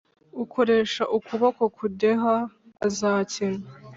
Ukoresha ukuboko kudeha azakena